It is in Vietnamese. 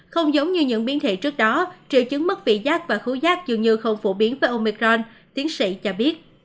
không giống như những biến thể trước đó triệu chứng mất vị giác và hút rác dường như không phổ biến với omicron tiến sĩ cho biết